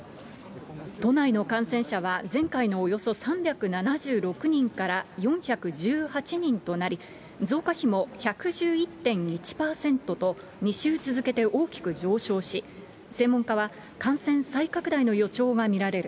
都内の感染者は、前回のおよそ３７６人から４１８人となり、増加比も１１１．１％と、２週続けて大きく上昇し、専門家は、感染再拡大の予兆が見られる。